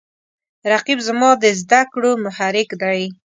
رقیب زما د زده کړو محرک دی